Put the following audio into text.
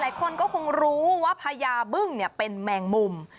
หลายคนก็คงรู้ว่าพญาบึ้งเป็นแมงมุม